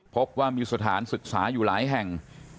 พบว่ามีสถานศึกษาอยู่หลายแห่ง